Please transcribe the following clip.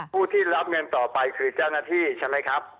ผู้ที่รับเงินต่อไปคือเจ้าหน้าที่ใช่ไหมครับ